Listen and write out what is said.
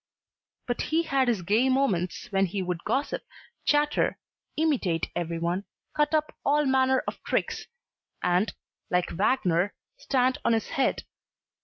But he had his gay moments when he would gossip, chatter, imitate every one, cut up all manner of tricks and, like Wagner, stand on his head.